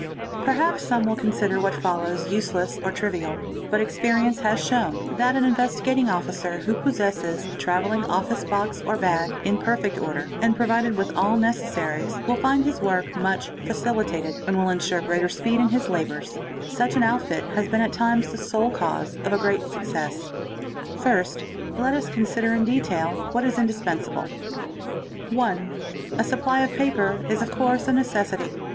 _ Perhaps some will consider what follows useless or trivial; but a xperience has shown that an Investigating Officer who possesses a | travelling office box or bag, in perfect order and provided with all neces . ies, will find his work much facilitated, and will ensure greater speed his labours. Such an outfit has been at times the sole cause of a reat success. _ First let us consider in detail what is indispensible. 1. A supply of paper is of course a necessity.